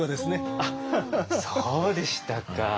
あそうでしたか。